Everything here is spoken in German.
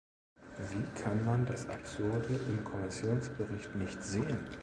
Wie kann man das Absurde im Kommissionsbericht nicht sehen?